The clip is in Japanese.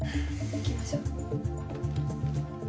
行きましょう。